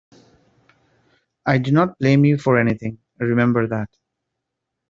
I do not blame you for anything; remember that.